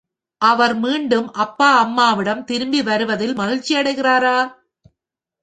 அவர் மீண்டும் அப்பா அம்மாவிடம் திரும்பி வருவதில் மகிழ்ச்சியடைகிறாரா?